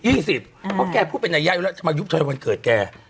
ยี่สิบอ่าเพราะแกพูดเป็นระยะอยู่แล้วจะมายุบชัยวันเกิดแก